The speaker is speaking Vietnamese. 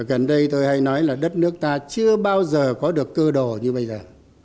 gần đây tôi hay nói là đất nước ta chưa bao giờ có được cơ đồ như bây giờ